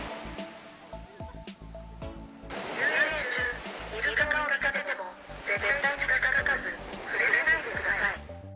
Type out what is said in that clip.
遊泳中、イルカを見かけても絶対に近づかず、触れないでください。